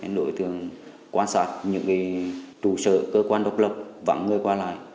nên đội thường quan sát những chủ sở cơ quan độc lập vắng người qua lại